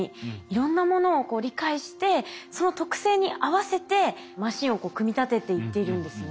いろんなものを理解してその特性に合わせてマシンを組み立てていってるんですね。